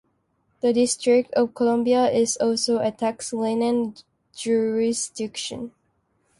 The District of Columbia is also a tax lien jurisdiction.